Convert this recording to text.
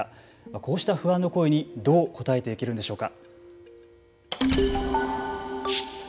こうした不安の声にどう応えていけるんでしょうか。